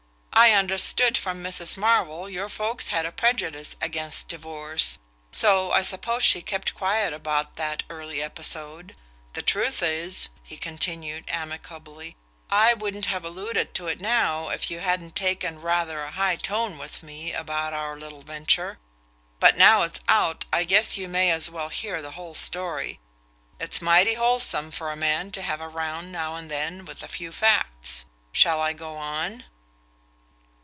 I understood from Mrs. Marvell your folks had a prejudice against divorce, so I suppose she kept quiet about that early episode. The truth is," he continued amicably, "I wouldn't have alluded to it now if you hadn't taken rather a high tone with me about our little venture; but now it's out I guess you may as well hear the whole story. It's mighty wholesome for a man to have a round now and then with a few facts. Shall I go on?"